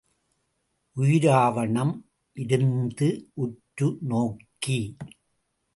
உயிராவணம் இருந்து உற்று நோக்கி.